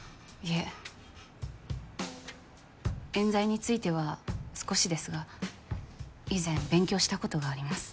えん罪については少しですが以前勉強したことがあります。